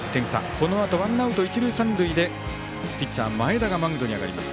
このあとワンアウト、一塁三塁でピッチャー、前田がマウンドに上がります。